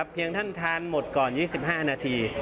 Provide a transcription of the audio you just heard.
เพียงท่านทานหมดก่อน๒๕นาที